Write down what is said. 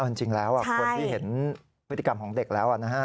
จริงแล้วคนที่เห็นพฤติกรรมของเด็กแล้วนะฮะ